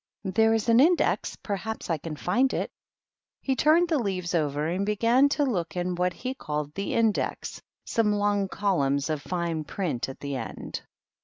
There's an inde perhaps I can find it." He turned the leaves over, and began to Ic in what he called the index, — some long colun of fine print at the end.